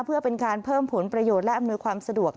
เพื่อเป็นการเพิ่มผลประโยชน์และอำนวยความสะดวก